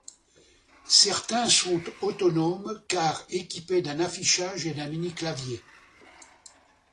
Certains sont autonomes, car équipés d'un affichage et d'un mini clavier.